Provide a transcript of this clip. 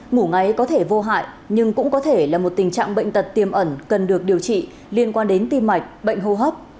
ngủ ngáy có thể vô hại nhưng cũng có thể là một tình trạng bệnh tật tiềm ẩn cần được điều trị liên quan đến tim mạch bệnh hô hấp